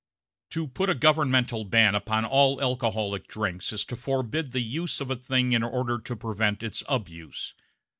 To put a governmental ban upon all alcoholic drinks is to forbid the use of a thing in order to prevent its abuse.